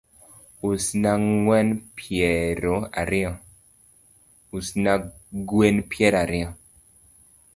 Usna gwen peiro ariyo